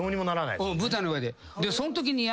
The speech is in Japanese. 舞台の上で。